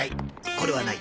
これはない